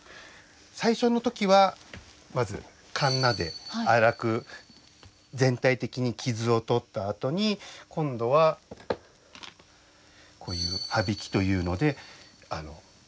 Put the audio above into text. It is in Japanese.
最初の時はまずかんなで粗く全体的に傷を取ったあとに今度はこういうはびきというので平らにならす。